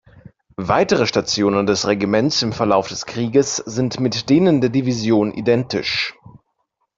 Weitere Stationen des Regiments im Verlauf des Krieges sind mit denen der Division identisch.